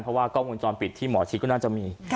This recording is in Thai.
เพราะว่ากล้องวงจรปิดที่หมอชิดก็น่าจะมี